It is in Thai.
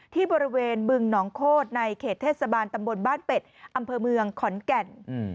ที่บริเวณบึงหนองโคตรในเขตเทศบาลตำบลบ้านเป็ดอำเภอเมืองขอนแก่น